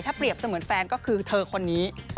เปรียบเสมือนแฟนก็คือเธอคนนี้